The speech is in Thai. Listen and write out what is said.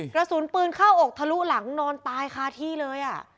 กระสุนปืนเข้าอกทะลุหลังนอนตายคาที่เลย